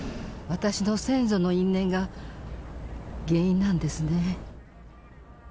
私の先祖の因縁が、原因なんですね。